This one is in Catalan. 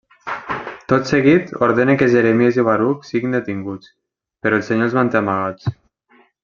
Tot seguit ordena que Jeremies i Baruc siguin detinguts, però el Senyor els manté amagats.